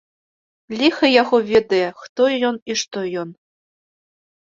Ліха яго ведае, хто ён і што ён!